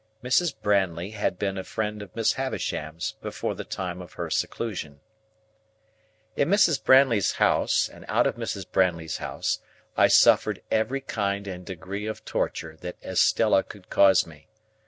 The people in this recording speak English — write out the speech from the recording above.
Mrs. Brandley had been a friend of Miss Havisham's before the time of her seclusion. In Mrs. Brandley's house and out of Mrs. Brandley's house, I suffered every kind and degree of torture that Estella could cause me.